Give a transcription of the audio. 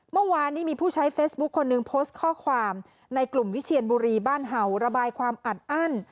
เมื่อวานนี้มีผู้ใช้เฟซบุ๊คคนหนึ่งโพสต์ข้อความในกลุ่มวิเชียนบุรีบ้านเห่าระบายความอัดอั้น